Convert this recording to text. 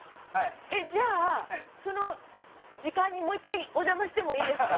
じゃあその時間にもう１回お邪魔してもいいですか？